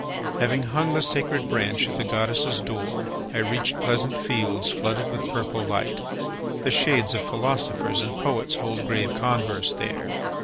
Having hung the sacred branch at the goddess's door, I reached pleasant fields flooded with purple light. The shades of philosophers and poets hold grave converse there.